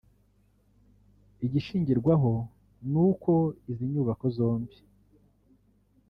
Igishingirwaho ni uko izi nyubako zombi